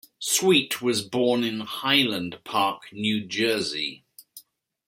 Sweet was born in Highland Park, New Jersey.